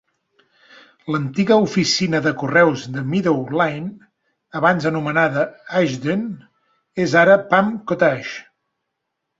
L'antiga oficina de correus de Meadow Lane, abans anomenada Ashdene, és ara Pump Cottage.